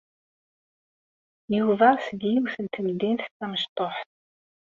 Yuba seg yiwet n temdint tamecṭuḥt.